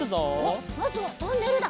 まずはトンネルだ。